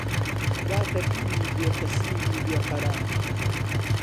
داتەپیوی، بێ پەسیوی بێ قەرار